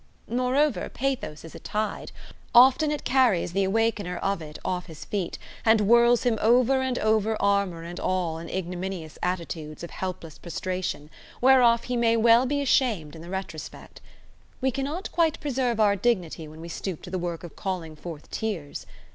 Moreover, pathos is a tide: often it carries the awakener of it off his feet, and whirls him over and over armour and all in ignominious attitudes of helpless prostration, whereof he may well be ashamed in the retrospect. We cannot quite preserve our dignity when we stoop to the work of calling forth tears.